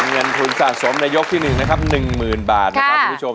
เงินทุนสะสมในยกที่๑นะครับ๑๐๐๐บาทนะครับคุณผู้ชม